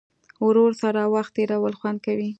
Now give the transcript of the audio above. ورور سره وخت تېرول خوند کوي.